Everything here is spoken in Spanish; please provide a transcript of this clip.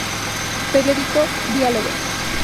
Periódico "Diálogo".